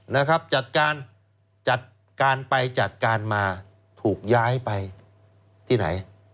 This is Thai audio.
นะครับจัดการจัดการไปจัดการมาถูกย้ายไปที่ไหน